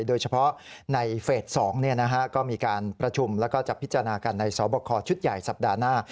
โดยเฉพาะในเฟส๒ก็มีการประชุมแล้วก็จะพิจารณากันในสอบคอชุดใหญ่สัปดาห์หน้า